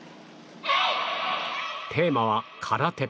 テーマは、空手。